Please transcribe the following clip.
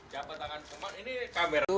jangan lupa tonton ini kamera